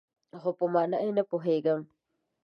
خو، په مانا یې نه پوهیږم